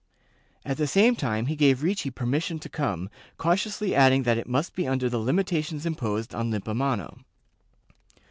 At the same time he gave Ricci permission to come, cautiously adding that it must be under the limitations imposed on Lippo mano.